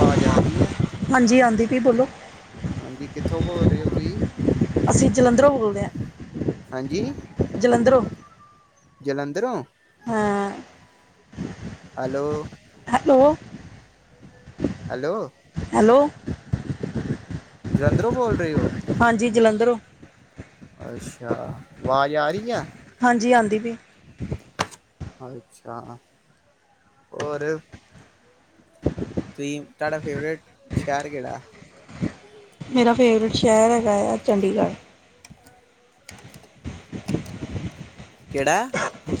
ਵਾਜ ਆ ਰਹੀ ਹੈ? ਹਾਂਜੀ ਆਂਦੀ ਪਈ ਬੋਲੋ। ਹਾਂਜੀ ਕਿੱਥੋਂ ਬੋਲ ਰਹੇ ਹੋ ਤੁਹੀ? ਅਸੀ ਜਲੰਧਰੋ ਬੋਲਦੇ ਹਾਂ, ਜਲੰਧਰੋ। ਜਲੰਧਰੋ? ਹਾਂ। ਹੈਲੋ, ਹੈਲੋ- ਹੈਲੋ, ਹੈਲੋ, ਜਲੰਧਰੋ ਬੋਲ ਰਹੇ ਹੋ? ਹਾਂਜੀ ਜਲੰਧਰੋ। ਅੱਛਾ ਵਾਜ ਆ ਰਹੀ ਐ। ਹਾਂਜੀ ਆਂਦੀ ਪਈ ਏ। ਅੱਛਾ ਹੋਰ? ਤੁਸੀ ਤੁਹਾਡਾ ਫੇਵਰੇਟ ਸ਼ਹਿਰ ਕਿਹੜਾ? ਮੇਰਾ ਫੇਵਰੇਟ ਸ਼ਹਿਰ ਹੈਗਾ ਆ ਚੰਡੀਗੜ। ਕਿਹੜਾ?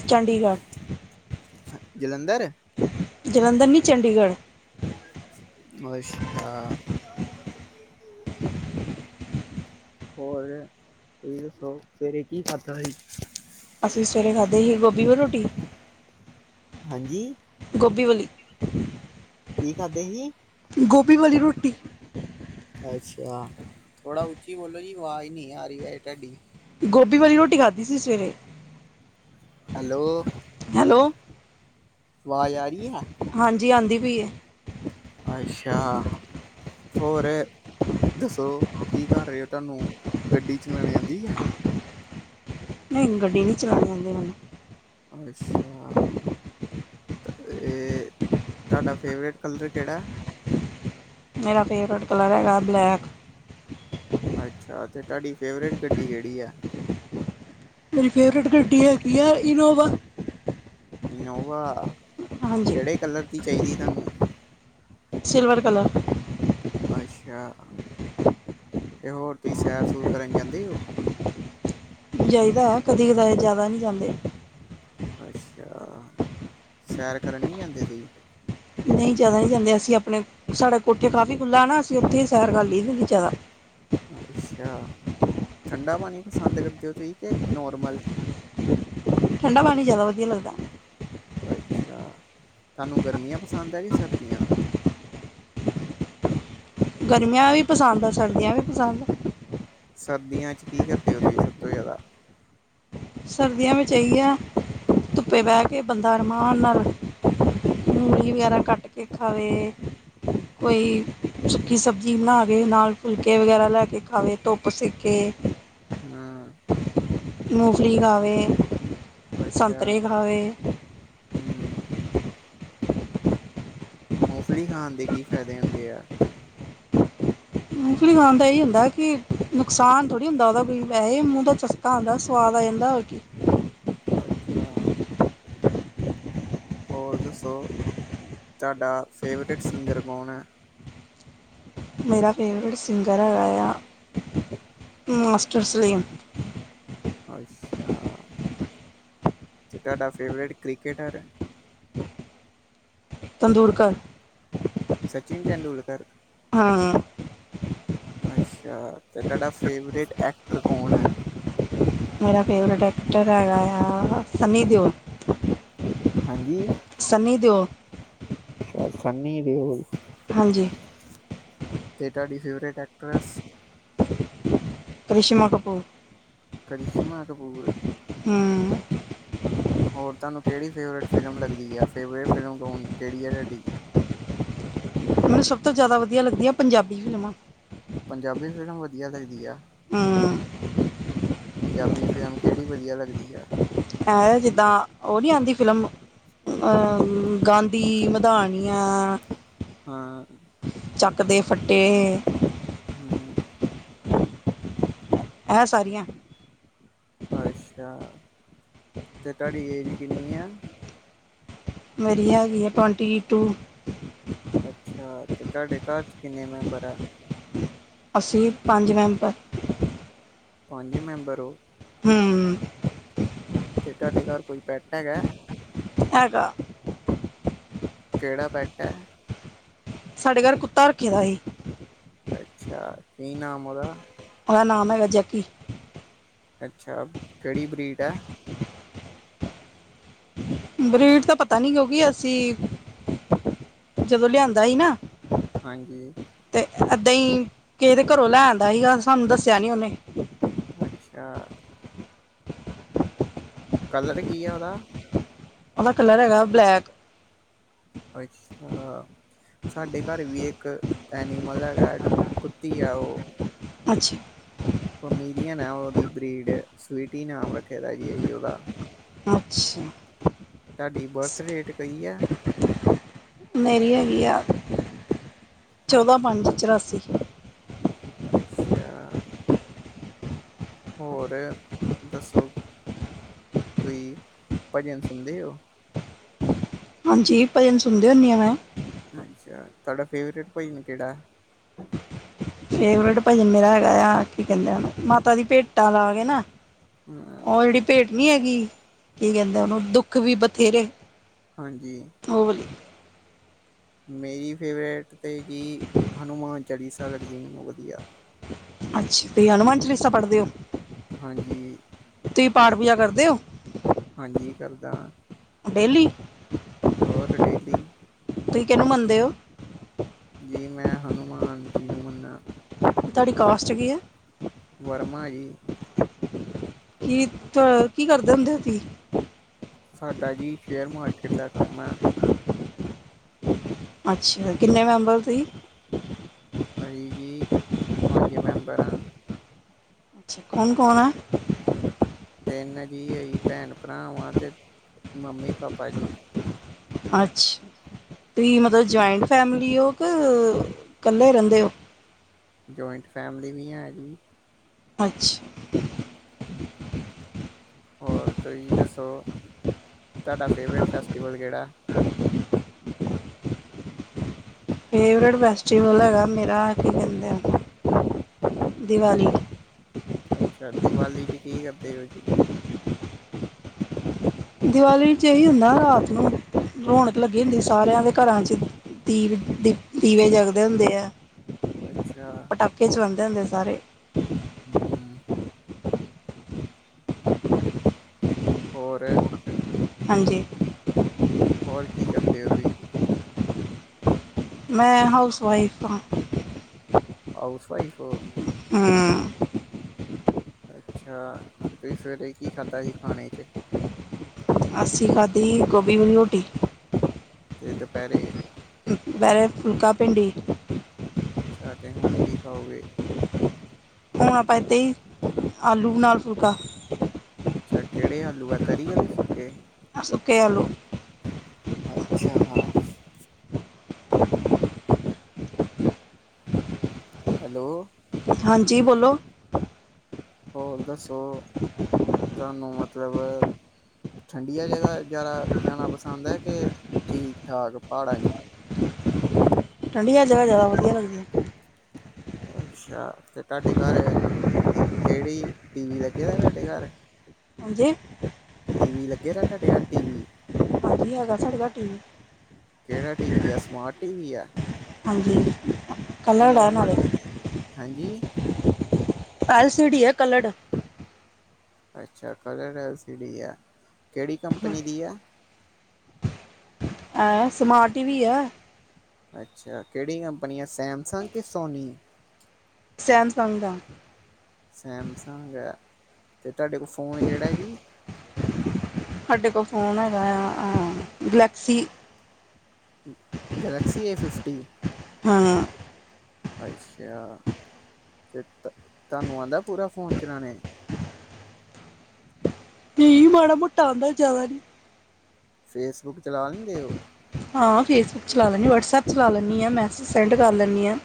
ਚੰਡੀਗੜ? ਜਲੰਧਰ? ਜਲੰਧਰ ਨੀ ਚੰਡੀਗੜ। ਅੱਛਾ। ਹੋਰ ਤੁਸੀ ਦੱਸੋ ਸਵੇਰੇ ਕੀ ਖਾਧਾ ਸੀ? ਅਸੀ ਸਵੇਰੇ ਖਾਧੇ ਸੀ ਗੋਭੀ ਵਾਲੀ ਰੋਟੀ। ਹਾਂਜੀ? ਗੋਭੀ ਵਾਲੀ। ਕੀ ਖਾਧਾ ਸੀ? ਗੋਭੀ ਵਾਲੀ ਰੋਟੀ। ਅੱਛਾ, ਥੋੜਾ ਉੱਚੀ ਬੋਲੋ ਜੀ ਆਵਾਜ਼ ਨਹੀ ਆ ਰਹੀ ਵੇਹੇ ਤਹਾਡੀ। ਗੋਭੀ ਵਾਲੀ ਰੋਟੀ ਖਾਧੀ ਸੀ ਸਵੇਰੇ। Hello, hello? ਵਾਜ਼ ਆ ਰਹੀ ਐ? ਹਾਂਜੀ ਆਂਦੀ ਪਈ ਏ। ਅੱਛਾ। ਹੋਰ ਦੱਸੋ ਕੀ ਕਰ ਰਹੇ ੳ ਤੁਹਾਨੂੰ ਗੱਡੀ ਚਲਾਣੀ ਆਦੀ ਏ। ਨਹੀਂ ਗੱਡੀ ਨਹੀਂ ਚਲਾਣੀ ਆਂਦੀ ਮੈਨੂੰ। ਅੱਛਾ। ਤ ‌ਏ ਤੁਹਾਡਾ ਫੇਵਰੇਟ ਕਲਰ ਕਿਹੜਾ। ਮੇਰਾ ਫੇਵਰੇਟ ਕਲਰ ਹੈਗਾ ਬਲੈਕ। ਅੱਛਾ ਤੇ ਤੁਹਾਡੀ ਫੇਵਰੇਟ ਗੱਡੀ ਕਿਹੜੀ ਆ। ਮੇਰੀ ਫੇਵਰੇਟ ਗੱਡੀ ਹੈਗੀ ਆ ਇਨੋਵਾ। ਇਨੋਵਾ। ਹਾਂਜੀ ਕਿਹੜੇ ਕਲਰ ਦੀ ਚਾਹੀਦੀ ਤੁਹਾਨੂੰ ਸਿਲਵਰ ਕਲਰ। ਅੱਛਾ ਤੇ ਹੋਰ ਤੁਸੀਂ ਸੈਰ ਸੂਰ ਕਰਨ ਜਾਂਦੇ ਹੋ। ਜਾਈਦਾ ਕਦੀ ਕਦਾਰ ਜੈਦਾ ਨਹੀਂ ਜਾਂਦੇ। ਅੱਛਾ ਸੈਰ ਕਰਨ ਨਹੀਂ ਜਾਂਦੇ ਤੁਹੀਂ। ਨਹੀਂ ਜੈਦਾ ਨਹੀਂ ਜਾਂਦੇ ਅਸੀਂ ਆਪਣੇ ਸਾਡੇ ਕੋਠੇ ਕਾਫੀ ਖੁੱਲ੍ਹਾ ਨਾ ਅਸੀਂ ਉੱਥੇ ਹੀ ਸੈਰ ਕਰ ਲਈ ਹੁੰਦੇ ਜੈਦਾ। ਅੱਛਾ ਠੰਡਾ ਪਾਨੀ ਪਸੰਦ ਕਰਦੇ ੳ ਤੁਸੀ ਕੇ ਨੋਰਮਲ। ਠੰਡਾ ਪਾਣੀ ਜੈਦਾ ਵਧੀਆ ਲੱਗਦਾ। ਅੱਛਾ ਤਹਾਨੂੰ ਗਰਮੀਆਂ ਪਸੰਦ ਹੈ ਕਿ ਸਰਦੀਆਂ। ਗਰਮੀਆਂ ਵੀ ਪਸੰਦ ਆ ਸਰਦੀਆਂ ਵੀ ਪਸੰਦ ਆ। ਸਰਦੀਆਂ ਚ ਕੀ ਕਰਦੇ ਹੋ ਤੁਸੀਂ ਸਭ ਤੋਂ ਜੈਦਾ। ਸਰਦੀਆਂ ਵਿੱਚ ਇਹੀ ਆ ਧੁੱਪੇ ਬਹਿ ਕੇ ਬੰਦਾ ਅਰਮਾਨ ਨਾਲ ਮੂਲੀ ਵਗੈਰਾ ਕੱਟ ਕੇ ਖਾਵੇ। ਕੋਈ ਸੁੱਕੀ ਸਬਜ਼ੀ ਬਣਾਵੇ ਨਾਲ ਫੁਲਕੇ ਵਗੈਰਾ ਲੈ ਕੇ ਖਾਵੇ ਧੁੱਪ ਸੇਕੇ। ਹਾ ਮੂਫ਼ਲੀ ਖਾਵੇ। ਅੱਛਾ ਸੰਤਰੇ ਖਾਵੇ ਹੁ ਮੂਫਲੀ ਖਾਨ ਦੇ ਕੀ ਫ਼ਾਇਦੇ ਹੁੰਦੇ ਆ। ਮੂਫ਼ਲੀ ਖਾਣ ਦਾ ਇਹੀ ਹੁੰਦਾ ਕਿ ਨੁਕਸਾਨ ਥੋੜ੍ਹੀ ਹੁੰਦਾ ਉਹਦਾ ਕੋਈ ਵੈਹੇ ਮੂੰਹ ਦਾ ਚਸ ਖਾਨ ਦਾ ਸਵਾਦ ਆ ਜਾਂਦਾ ਹੋਰ ਕੀ। ਅੱਛਾ। ਹੋਰ ਦੱਸੋ ਤੁਹਾਡਾ ਫੇਵਰੇਟ ਸਿੰਗਰ ਕੌਣ ਹੈ? ਮੇਰਾ ਫੇਵਰੇਟ ਸਿੰਗਰ ਹੈਗਾ ਆ ਮਾਸਟਰ ਸਲੀਮ। ਅੱਛਾ ਤੇ ਤੁਹਾਡਾ ਫੇਵਰੇਟ ਕ੍ਰਿਕੇਟਰ। ਤੰਦੂਰਕਰ। ਸਚਿਨ ਤੇਂਦੁਲਕਰ। ਹਾਂ। ਅੱਛਾ ਤੇ ਤੁਹਾਡਾ ਫੇਵਰੇਟ ਐਕਟਰ ਕੌਣ ਹੈ? ਮੇਰਾ ਫੇਵਰੇਟ ਐਕਟਰ ਹੈਗਾ ਆ ਸੰਨੀ ਦਿਉਲ। ਹਾਂਜੀ। ਸੰਨੀ ਦਿਓਲ। ਅੱਛਾ ਸਨੀ ਦਿਓਲ। ਹਾਂਜੀ। ਤੇ ਤਹਾਡੀ ਫੇਵਰੇਟ ਐਕਟ੍ਰੈਸ। ਕਰਿਸ਼ਮਾ ਕਪੂਰ। ਕਰਿਸ਼ਮਾ ਕਪੂਰ। ਹਮ ਹੋਰ ਤੁਹਾਨੂੰ ਕੇੜੀ ਫੇਵਰੇਟ ਫਿਲਮ ਲੱਗਦੀ ਆ, ਫੇਵਰੇਟ ਫਿਲਮ ਕੌਣ ਕੇੜੀ ਆ ਤੁਹਾਡੀ? ਮੈਨੂੰ ਸਭ ਤੋਂ ਜਿਆਦਾ ਵਧੀਆ ਲੱਗਦੀ ਆ ਪੰਜਾਬੀ ਫਿਲਮਾਂ। ਪੰਜਾਬੀ ਫ਼ਿਲਮ ਵਧੀਆ ਲੱਗਦੀ ਆ। ਹਮ ਪੰਜਾਬੀ ਫ਼ਿਲਮ ਕੇੜੀ ਵਧੀਆ ਲੱਗਦੀ ਆ? ਐ ਜਿੱਦਾਂ ਓ ਨੀ ਆਂਦੀ ਫਿਲਮ ਅ ਗਾਂਧੀ, ਮਧਾਣੀ ਆ ਹਾਂ। ਚੱਕ ਦੇ ਫੱਟੇ। ਹੂੰ। ਐ ਸਾਰੀਆਂ। ਅੱਛਾ 'ਤੇ ਤੁਹਾਡੀ ਏਜ ਕਿੰਨੀ ਆ? ਮੇਰੀ ਹੈਗੀ ਆ ਟਵੰਟੀ ਟੂ। ਅੱਛਾ ਤੇ ਤੁਹਾਡੇ ਘਰ 'ਚ ਕਿੰਨੇ ਮੈਂਬਰ ਐ? ਅਸੀਂ ਪੰਜ ਮੈਂਬਰ। ਪੰਜ ਈ ਮੈਂਬਰ ਓ ਹੂੰ 'ਤੇ ਤੁਹਾਡੇ ਘਰ ਕੋਈ ਪੈਟ ਹੈਗਾ ਐ? ਹੈਗਾ। ਕੇੜਾ ਪੈਟ ਐ? ਸਾਡੇ ਘਰ ਕੁੱਤਾ ਰੱਖੀ ਦਾ ਈ। ਅੱਛਾ ਕੀ ਨਾਮ ਉਦਾ? ਉਦਾ ਨਾਮ ਹੈਗਾ ਜੈਕੀ। ਅੱਛਾ ਕੇੜੀ ਬਰੀਟ ਐ? [inaudible] ਬਰੀਟ ਤਾਂ ਪਤਾ ਨੀ ਕਿਉਂਕਿ ਅਸੀਂ ਜਦੋ ਲਿਆਂਦਾ ਹੀ ਨਾ ਹਾਂਜੀ। ਤੇ ਐਦਾਂ ਈ ਕਿਸੇ ਦੇ ਘਰੋਂ ਲੈ ਆਂਦਾ ਸੀਗਾ ਸਾਨੂੰ ਦੱਸਿਆ ਨੀ ਉਨੇ। ਅੱਛਾ! ਕਲਰ ਕੀ ਆ ਉਦਾ? ਉਦਾ ਕਲਰ ਹੈਗਾ ਬਲੈਕ। ਅੱਛਾ! ਸਾਡੇ ਘਰ ਵੀ ਇੱਕ ਐਨੀਮਲ ਹੈਗਾ ਕੁੱਤੀ ਆ ਓ। ਅੱਛਾ। ਪਮੀਰੀਅਨ ਆ ਉਦੀ ਬ੍ਰੀਡ ਸਵੀਟੀ ਨਾਮ ਰੱਖਿਆ ਦਾ ਜੀ ਆ ਉਦਾ। ਅੱਛਾ। ਤੁਹਾਡੀ ਬਰਥ ਰੇਟ ਕਈ ਆ? ਮੇਰੀ ਹੈਗੀ ਆ, ਚੌਦਾਂ ਪੰਜ ਚਰਾਸੀ। ਅੱਛਾ। ਹੋਰ ਦੱਸੋ, ਤੁਈ ਭਜਨ ਸੁਨਦੇ ਓ? ਹਾਂਜੀ ਭਜਨ ਸੁਣਦੇ ਹੁੰਨੀ ਆ ਮੈਂ। ਅੱਛਾ ਤਾਡਾ ਫੇਵਰੇਟ ਭਜਨ ਕੇੜਾ? ਫੇਵਰੇਟ ਭਜਨ ਮੇਰਾ ਹੈਗਾ ਆ ਕੀ ਕੈਂਦੇ ਉਨੂੰ ਮਾਤਾ ਦੀ ਭੇਟਾਂ ਲਾ ਕੇ ਨਾ ਓ ਜੇੜੀ ਭੇਟ ਨੀ ਹੈਗੀ ਕੀ ਕੈਂਦੇ ਉਨੂੰ ਦੁੱਖ ਵੀ ਬਥੇਰੇ। ਹਾਂਜੀ। ਓ ਵਾਲੀ। ਮੇਰੀ ਫੇਵਰੇਟ ਤੇ ਗੀ ਹਨੂੰਮਾਨ ਚਾਲੀਸਾ ਲੱਗਦੀ ਮੈਨੂੰ ਵਧੀਆ। ਅੱਛਾ ਤੁਹੀ ਹਨੂੰਮਾਨ ਚਾਲੀਸਾ ਪੜ੍ਹਦੇ ਔ। ਹਾਂਜੀ ਤੁਈ ਪਾਠ ਪੂਜਾ ਕਰਦੇ ਔ? ਹਾਂਜੀ ਕਰਦਾ। ਡੇਲੀ? ਹੋਰ ਡੇਲੀ। ਤੁਹੀ ਕਿਨੂੰ ਮੰਨਦੇ ਔ? ਜੀ ਮੈਂ ਹਨੂੰਮਾਨ ਜੀ ਨੂੰ ਮੰਨਾ। ਤੁਹਾਡੀ ਕਾਸਟ ਕੀ ਐ? ਵਰਮਾ ਏ ਜੀ। [unintelligible] ਕੀ ਕਰਦੇ ਹੁੰਦੇ ਤੁਹੀ। ਸਾਡਾ ਜੀ ਸ਼ੇਅਰ ਮਾਰਕੀਟ ਦਾ ਕੰਮ ਐ। ਅੱਛਾ ਕਿੰਨੇ ਮੈਂਬਰ ਤੂਹੀ? ਅਹੀ ਜੀ ਪੰਜ ਮੈਂਬਰ ਆ। ਅੱਛਾ ਕੌਣ-ਕੌਣ ਆ। ਤਿੰਨ ਜੀ ਅਹੀ ਭੈਣ ਭਰਾ ਵਾ ਤੇ ਮੰਮੀ ਪਾਪਾ ਜੀ। ਅੱਛਾ ਤੁਹੀ ਮਤਲਬ ਜੁਆਇੰਟ ਫੈਮਿਲੀ ਹੋ ਕੇ ਕੱਲੇ ਰੇੰਦੇ ਔ। ਜੁਆਇੰਟ ਫੈਮਿਲੀ ਵੀ ਹੈ ਜੀ। ਅੱਛ ਹੋਰ ਤੁਹੀ ਦੱਸੋ ਤੁਹਾਡਾ ਫੇਵਰੇਟ ਫੈਸਟੀਵਲ ਕੇੜਾ। ਫੇਵਰੇਟ ਫੈਸਟੀਵਲ ਹੈਗਾ ਮੇਰਾ ਕੀ ਕੇੰਦੇ ਦੀਵਾਲੀ। ਅੱਛਾ ਦੀਵਾਲੀ ਚ ਕੀ ਕਰਦੇ ਔ ਜੀ। ਦੀਵਾਲੀ ਚ ਇਹੀ ਹੁੰਦਾ ਰਾਤ ਨੂੰ ਰੌਣਕ ਲੱਗੀ ਹੁੰਦੀ ਸਾਰਿਆਂ ਦੇ ਕਰਾ ਚ। ਦੀਵੇ-ਦੀਵੇ ਜਗਦੇ ਹੁੰਦੇ ਐ। ਅੱਛਾ ਕਿਛ ਬੰਦਾ ਨਜਾਰੇ। ਹੂੰ। ਹੋਰ ਹਾਂਜੀ। ਹੋਰ ਕੀ ਕਰਦੇ ਔ ਤੁਹੀ। ਮੈਂ ਹਾਊਸ ਵਾਈਫ ਆ। ਹਾਊਸ ਵਾਈਫ ਹੋ? ਹੂੰ। ਅੱਛਾ ਤੇ ਤੁਸੀ ਸਵੇਰੇ ਕੀ ਖਾਧਾ ਸੀ ਖਾਣੇ ਚ। ਅੱਸੀ ਖਾਧੀ ਹੀ ਗੋਭੀ ਵਾਲੀ ਰੋਟੀ। ਤੇ ਦੋਪੇਰੇ‌? ਦੁਪੇਰੇ ਫੁਲਕਾ ਭਿੰਡੀ। ਅੱਛਾ ਤੇ ਹੁਣ ਕੀ ਖਾਓਗੇ। ਹੁਣ ਆਪਾਂ ਇੱਦਾ ਈ ਆਲੂ ਨਾਲ ਫੁਲਕਾ। ਅੱਛਾ ਕੇੜੇ ਆਲੂ ਆ ਤਰੀ ਆਲੇੇ ਸੁੱਕੇ। ਸੁੁੱਕੇ ਆਲੂ। ਅੱਛਾ। ਹੈਲੋ ਹਾਂਜੀ ਬੋਲੋ। ਹੋਰ ਦੱਸੋ ਤੁਹਾਨੂੰ ਮਤਲਬ ਠੰਡੀਆਂ ਜਗਾ ਜ਼ਿਆਦਾ ਜਾਣਾ ਪਸੰਦ ਹੈ ਕੇ ਠੀਕ ਠਾਕ ਪਹਾੜਾਂ 'ਚ। ਠੰਡੀਆਂ ਜਗ੍ਹਾ ਜਿਆਦਾ ਵਧੀਆ ਲੱਗਦੀਆਂ। ਅੱਛਾ ਤੇ ਤਾਡੇ ਘਰ ਕੇਹੜੀ ਟੀ ਵੀ ਲੱਗੇਆ ਦਾ ਤੁਹਾਡੇ ਘਰ। ਹਾਂਜੀ। ਟੀ ਵੀ ਲੱਗੇਆ ਦਾ ਤਾਡੇ ਘਰ ਟੀ ਵੀ। ਹਾਂਜੀ ਹੈਗਾ ਸਾਡੇ ਘਰ ਟੀ ਵੀ ਕੇਹੜਾ ਟੀਵੀ ਆ ਸਮਾਰਟ ਟੀਵੀ ਆ। ਹਾਂਜੀ। ਕਿ ਕਲਰਡ ਹੈ ਨੋਰਮਲ ਨਾਲੇ ਟੀ ਹਾਂਜੀ। ਐਲ ਸੀ ਡੀ ਐ ਕਲਰਡ। ਅੱਛਾ ਕਲਰਡ ਐਲ ਸੀ ਡੀ ਆ ਕੇਹੜੀ ਕੰਪਨੀ ਦੀ ਆ। ਐਂ ਸਮਾਰਟ ਟੀ ਵੀ ਆ। ਅੱਛਾ ਕਿਹੜੀ ਕੰਪਨੀ ਹੈ ਸੈਮਸੰਗ ਕਿ ਸੋਨੀ। ਸੈਮਸੰਗ ਦਾ। ਸੈਮਸੰਗ ਹੈ ਅਤੇ ਤੁਹਾਡੇ ਕੋਲ ਫ਼ੋਨ ਕਿਹੜਾ ਆ ਜੀ। ਸਾਡੇ ਕੋਲ ਫ਼ੋਨ ਹੈਗਾ ਆ ਗਲੈਕਸੀ। ਗਲੈਕਸੀ ਏ ਫਿਫਟੀ। ਹਾਂ। ਅੱਛਾ ਤੇ ਤ ਤੁਹਾਨੂੰ ਆਉਂਦਾ ਪੂਰਾ ਫੋਨ ਚਲਾਣੇ। ਨਈ ਮਾੜਾ ਮੋਟਾ ਆਉਂਦਾ ਜ਼ਿਆਦਾ ਨੀਂ। ਫੇਸਬੁੱਕ ਚਲਾ ਲੈਂਦੇ ਓ। ਹਾਂ ਫੇਸਬੁੱਕ ਚਲਾ ਲੈਂਨੀ ਹਾਂ ਵਟਸਐਪ ਚਲਾ ਲੈਂਨੀ ਹਾਂ ਮੈਸੇਜ ਸੈਂਡ ਕਰ ਲੈਂਦੀ ਹਾਂ।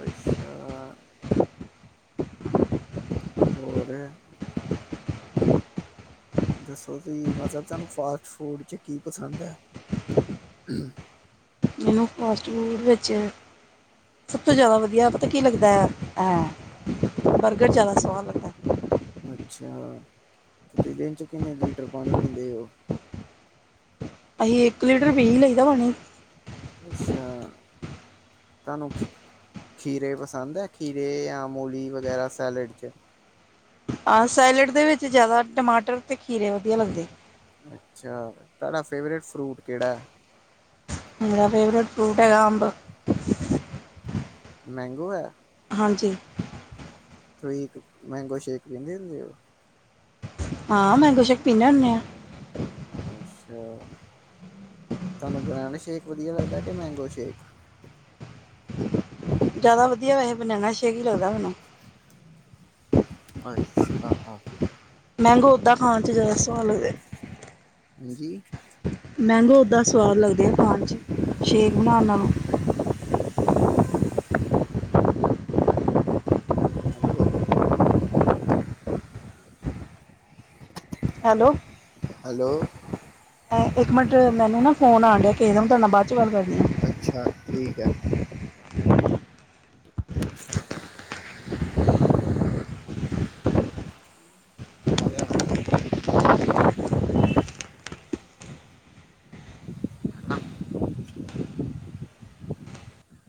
ਅੱਛਾ। ਹੋਰ। ਦੱਸੋ ਸਈ ਮਤਲਬ ਤੁਹਾਨੂੰ ਫਾਸਟਫੂਡ 'ਚ ਕੀ ਪਸੰਦ ਹੈ। ਮੈਨੂੰ ਫਾਸਟ ਫੂਡ ਵਿੱਚ ਸਭ ਤੋਂ ਜਿਆਦਾ ਵਧੀਆ ਪਤਾ ਕੀ ਲੱਗਦਾ। ਬਰਗਰ ਜ਼ਿਆਦਾ ਸਵਾਦ ਲੱਗਦਾ। ਅੱਛਾ ਪਤੀਲੇ 'ਚ ਕਿੰਨੇ ਲੀਟਰ ਪਾਣੀ ਪੀਂਦੇ ਉਹ। ਅਸੀਂ ਇੱਕ ਲੀਟਰ ਪੀਂ ਲਈ ਦਾ ਪਾਣੀ। ਅੱਛਾ। ਤੁਹਾਨੂੰ ਖ ਖੀਰੇ ਪਸੰਦ ਹੈ ਖੀਰੇ ਜਾਂ ਮੂਲੀ ਵਗੈਰਾ ਸੈਲਡ 'ਚ। ਹਾਂ ਸੈਲਡ ਦੇ ਵਿੱਚ ਜ਼ਿਆਦਾ ਟਮਾਟਰ ਤੇ ਖੀਰੇ ਵਧੀਆ ਲੱਗਦੇ। ਅੱਛਾ ਤੁਹਾਡਾ ਫੇਵਰੇਟ ਫਰੂਟ ਕਿਹੜਾ ਹੈ। ਮੇਰਾ ਫੇਵਰੇਟ ਫਰੂਟ ਹੈਗਾ ਅੰਬ। ਮੈਂਗੋ ਹੈ। ਹਾਂਜੀ। ਤੁਸੀਂ ਮੈਂਗੋ ਸ਼ੇਕ ਪੀਂਦੇ ਹੁੰਦੇ ਹੋ। ਹਾਂ ਮੈਗੋਂ ਸ਼ੇਕ ਪੀਂਦੇ ਹੁੰਦੇ ਆ। ਅੱਛਾ ਤੁਹਾਨੂੰ ਬਨਾਨਾ ਸ਼ੇਕ ਵਧੀਆ ਲੱਗਦਾ ਕਿ ਮੈਂਗੋ ਸ਼ੇਕ। ਜ਼ਿਆਦਾ ਵਧੀਆ ਵੈਹੈ ਬਨਾਨਾ ਸ਼ੇਕ ਲੱਗਦਾ ਮੈਨੂੰ। ਅਹਹ [unintelligible] [inaudible] ਮੈਗੋ ਉਹਦਾ ਖਾਣ ਜ਼ਿਆਦਾ ਸਵਾਦ ਲੱਗਦਾ। ਹਾਂਜੀ। ਮੈਂਗੋ ਓਦਾ ਸਵਾਦ ਲੱਗਦੇ ਆ ਖਾਣ ਚ ਸ਼ੇਕ ਬਨਾਣ ਨਾਲੋਂ। ਹੈਲੋ। Hello hello. ਐ, ਇੱਕ ਮਿੰਟ ਮੈਨੂੰ ਨਾ ਫੋਨ ਆਨ ਢਆ ਕਿਸੇ ਦਾ, ਮੈਂ ਤੁਹਾਡੇ ਨਾਲ ਬਾਅਦ ਚ ਗੱਲ ਕਰਦੀ ਹਾਂ। ਅੱਛਾ, ਠੀਕ ਹੈ। [unintelligible] [unintelligible]